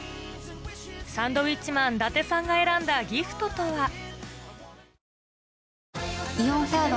サンドウィッチマン伊達さんが選んだギフトとは？